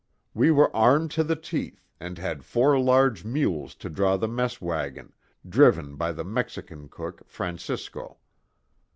We were armed to the teeth, and had four large mules to draw the mess wagon, driven by the Mexican cook, Francisco.